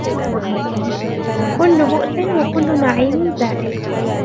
كل بؤس وكل نعيم زائل